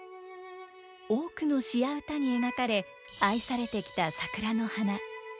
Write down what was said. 多くの詩や歌に描かれ愛されてきた桜の花。